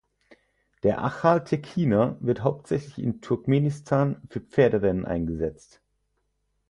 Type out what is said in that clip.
Der Achal-Tekkiner wird hauptsächlich in Turkmenistan für Pferderennen eingesetzt.